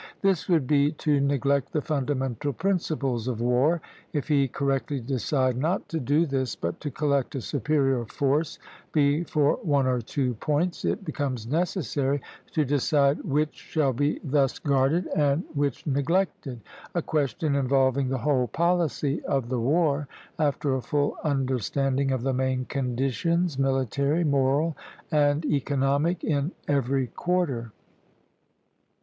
This would be to neglect the fundamental principles of war. If he correctly decide not to do this, but to collect a superior force before one or two points, it becomes necessary to decide which shall be thus guarded and which neglected, a question involving the whole policy of the war after a full understanding of the main conditions, military, moral, and economic, in every quarter.